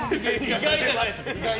意外じゃないです。